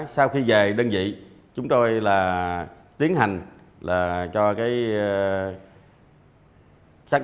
sau khi về đơn vị chúng tôi tiến hành cho xác định là phát hiện được dấu vết văn tai